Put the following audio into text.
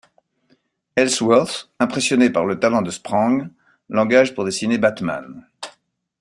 Ellsworth, impressionné par le talent de Sprang, l'engage pour dessiner Batman.